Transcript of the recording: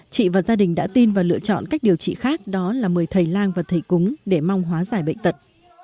chị và gia đình đã tin và lựa chọn cách điều trị khác đó là mời thầy lan và thầy cúng để mong hóa giải bệnh tật